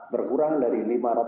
berkurang dari lima ratus lima puluh